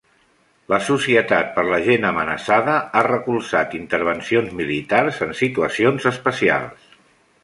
La Societat per la Gent Amenaçada ha recolzat intervencions militars en situacions especials.